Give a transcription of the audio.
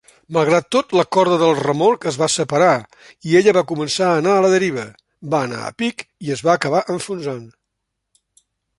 Malgrat tot, la corda del remolc es va separar i ella va començar a anar a la deriva, va anar a pic i es va acabar enfonsant.